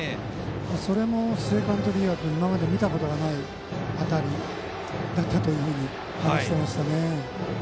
それも須江監督いわく今まで見たことがない当たりだったと話していました。